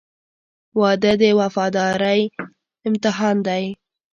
• واده د وفادارۍ امتحان دی.